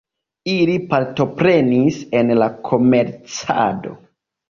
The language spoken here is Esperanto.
Ili partoprenis en la komercado.